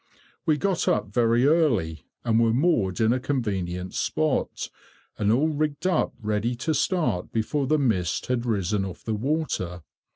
We got up very early, and were moored in a convenient spot, and all rigged up ready to start before the mist had risen off the water.